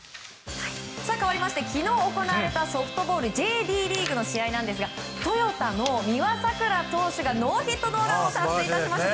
かわりまして昨日行われたソフトボールＪＤリーグの試合ですがトヨタの三輪さくら投手がノーヒットノーランを達成致しました。